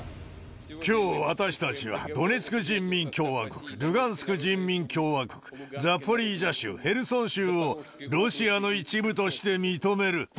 きょう、私たちはドネツク人民共和国、ルガンスク人民共和国、ザポリージャ州、ヘルソン州をロシアの一部として認める。